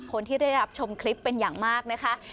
คนที่ได้รับชมคลิปเป็นอย่างมากนะคะ